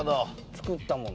作ったもの。